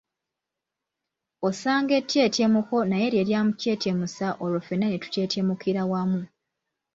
Osanga ettyeetyemuko naye lye lyamutyetyemusa olwo ffena ne tutyetyemukira wamu.